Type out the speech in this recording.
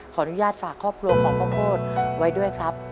ขออนุญาตฝากครอบครัวของพ่อโคตรไว้ด้วยครับ